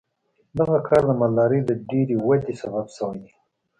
دغه کار د مالدارۍ د ډېرې ودې سبب شوی دی.